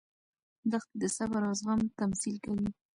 دښتې د صبر او زغم تمثیل کوي.